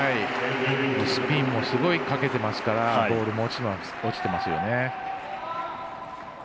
スピンもすごいかけてますからボールもうまく落ちていますよね。